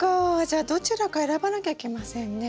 じゃあどちらか選ばなきゃいけませんね。